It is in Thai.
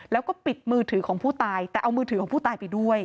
แล้วก็ปิดมือถือของผู้ตายแต่เอามือถือของผู้ตายไปด้วย